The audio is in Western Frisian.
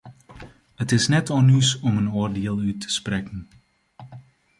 It is net oan ús om in oardiel út te sprekken.